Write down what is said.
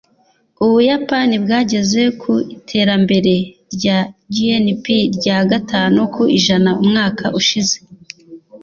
Ubuyapani bwageze ku iterambere rya GNP rya gatanu ku ijana umwaka ushize.